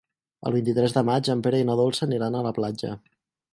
El vint-i-tres de maig en Pere i na Dolça aniran a la platja.